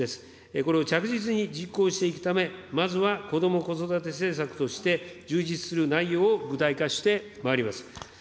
これを着実に実行していくため、まずはこども・子育て政策として、充実する内容を具体化してまいります。